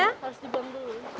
harus dibuang dulu